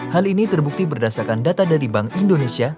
hal ini terbukti berdasarkan data dari bank indonesia